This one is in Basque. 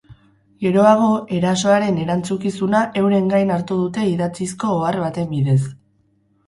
Geroago, erasoaren erantzukizuna euren gain hartu dute idatzizko ohar baten bidez.